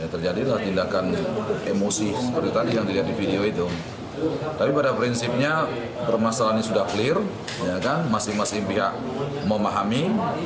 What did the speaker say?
terjadi tindakan emosi seperti tadi yang dilihat di video itu tapi pada prinsipnya permasalahan ini sudah clear masing masing pihak memahami